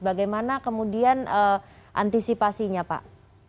bagaimana kemudian antisipasinya pak